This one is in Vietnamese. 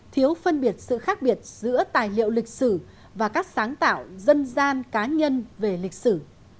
thiếu phân biệt sự khác biệt giữa tài liệu lịch sử và các sáng tạo dân gian cá nhân về lịch sử